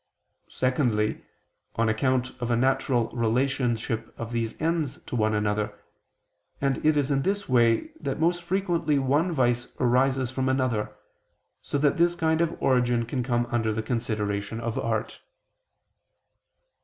Secondly, on account of a natural relationship of the ends to one another: and it is in this way that most frequently one vice arises from another, so that this kind of origin can come under the consideration of art.